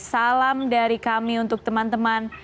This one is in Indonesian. salam dari kami untuk teman teman